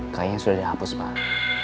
kayaknya sudah dihapus pak